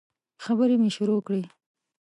خبري مي شروع کړې !